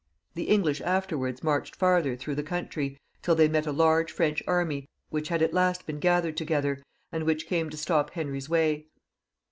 The English afterwards XXIX.] CHARLES VL 195 marched farther through the country, till they met a large French army, which had at last been gathered together, and which came to stop Henry's way.